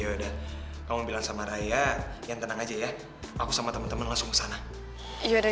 yaudah kamu bilang sama raya yang tenang aja ya aku sama temen temen langsung sana yaudah